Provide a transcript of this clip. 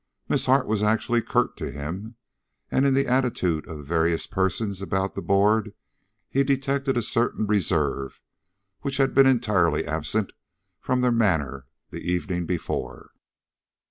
Miss Hart was actually curt to him, and in the attitude of the various persons about the board he detected a certain reserve which had been entirely absent from their manner the evening before.